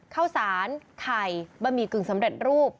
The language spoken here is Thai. ข้าวสารไข่บะหมี่กึ่งสำเร็จรูป